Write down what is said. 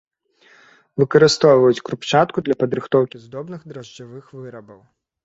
Выкарыстоўваюць крупчатку для падрыхтоўкі здобных дражджавых вырабаў.